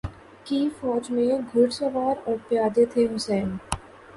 کی فوج میں گھرسوار اور پیادے تھے حسین